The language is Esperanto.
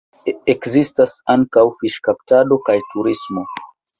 Ekzistas ankaŭ fiŝkaptado kaj turismo.